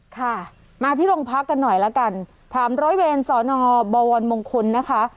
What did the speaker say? ค่ะมาที่โรงพักกันหน่อยละกันถามร้อยเวรสอนอบวรมงคลนะคะ